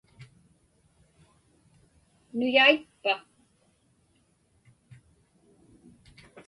Nuyaitpa?